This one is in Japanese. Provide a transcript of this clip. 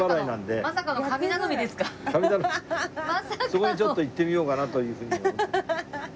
そこにちょっと行ってみようかなというふうに。